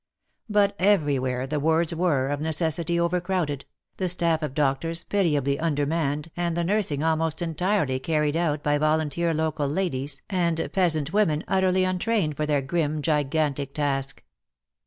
But everywhere the wards were, of necessity, overcrowded, the staff of doctors pitiably undermanned and the nurs ing almost entirely carried out by volunteer local ladies and peasant women utterly un trained for their grim, gigantic task.